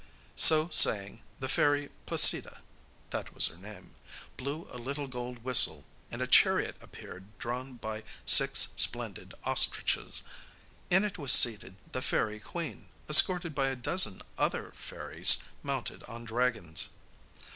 So saying the fairy Placida (that was her name) blew a little gold whistle, and a chariot appeared drawn by six splendid ostriches. In it was seated the fairy queen, escorted by a dozen other fairies mounted on dragons.